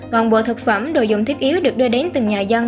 toàn bộ thực phẩm đồ dùng thiết yếu được đưa đến từng nhà dân